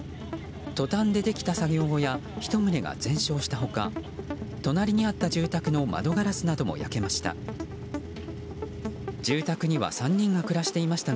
トタンでできた作業小屋１棟が全焼した他隣にあった住宅の窓ガラスなども焼けました。